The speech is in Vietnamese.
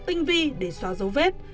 tinh vi để xóa dấu vết